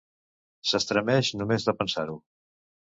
S'estremeix només de pensar-ho.